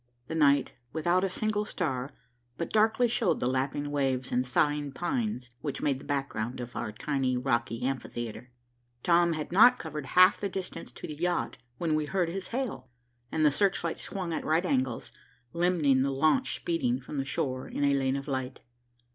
The night, without a single star, but darkly showed the lapping waves and sighing pines which made the background of our tiny, rocky amphitheatre. Tom had not covered half the distance to the yacht, when we heard his hail, and the search light swung at right angles, limning the launch speeding from the shore in a lane of light.